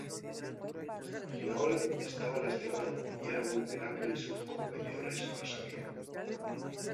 Hinault estaba lastimado y era vulnerable y sus competidores lo sabían.